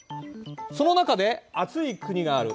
その中で暑い国がある。